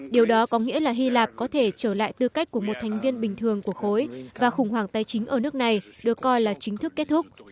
điều đó có nghĩa là hy lạp có thể trở lại tư cách của một thành viên bình thường của khối và khủng hoảng tài chính ở nước này được coi là chính thức kết thúc